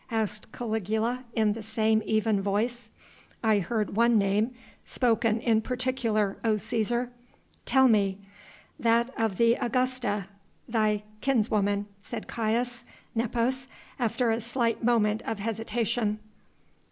asked Caligula in the same even voice. "I heard one name spoken in particular, O Cæsar." "Tell me." "That of the Augusta, thy kinswoman," said Caius Nepos, after a slight moment of hesitation.